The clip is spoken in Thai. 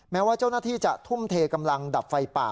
แม้ว่าเจ้าหน้าที่จะทุ่มเทกำลังดับไฟป่า